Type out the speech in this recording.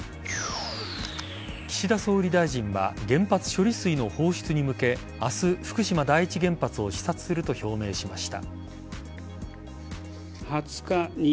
岸田総理大臣は原発処理水の放出に向け明日、福島第一原発を視察すると表明しました。